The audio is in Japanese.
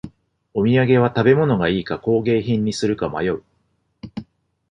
お土産は食べ物がいいか工芸品にするか迷う